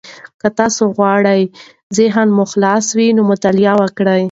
که تاسي غواړئ ذهن مو خلاص وي، نو مطالعه وکړئ.